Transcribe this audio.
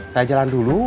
saya jalan dulu